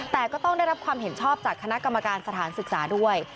แต่ก็ต้องได้รับความเห็นชอบจากคณะกรรมการสถานศึกษาด้วย